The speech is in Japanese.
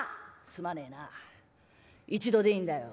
「すまねえな一度でいいんだよ。